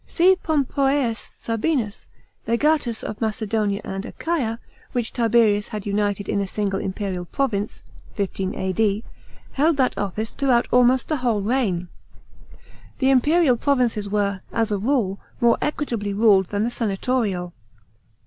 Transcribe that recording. C. PopDsms Sabinus, legatus of Macedonia and Achaia, which Tiberius had united in a single imperial province (15 A.D.), held that office throughout almost the whole rei;j;n. The imperial provinces were, as a rule, more equitably ruled than the senatorial.